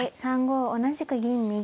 ３五同じく銀右。